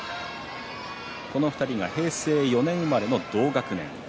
この２人は平成４年生まれで同学年。